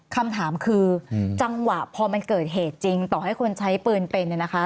คำถามคือจังหวะพอมันเกิดเหตุจริงต่อให้คนใช้ปืนเป็นเนี่ยนะคะ